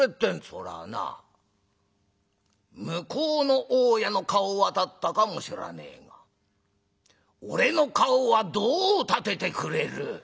「そらぁな向こうの大家の顔は立ったかもしらねえが俺の顔はどう立ててくれる？」。